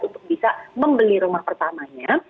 untuk bisa membeli rumah pertamanya